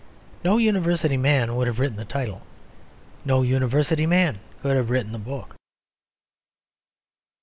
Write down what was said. No university man would have written the title; no university man could have written the book.